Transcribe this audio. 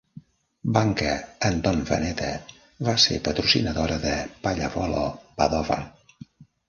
Banca Antonveneta va ser patrocinadora de Pallavolo Padova.